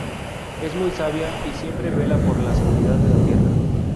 Es muy sabia y siempre vela por la seguridad de la Tierra.